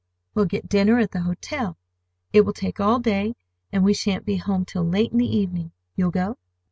We'll get dinner at the hotel. It will take all day, and we shan't be home till late in the evening. You'll go?"